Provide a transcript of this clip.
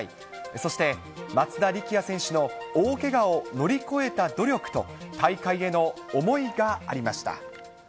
そして松田力也選手の大けがを乗り越えた努力と、大会への思いがありました。